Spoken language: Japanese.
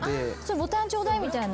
「ボタンちょうだい」みたいな。